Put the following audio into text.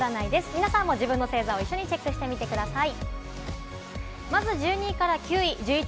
皆さんもご自分の星座をチェックしてみてください。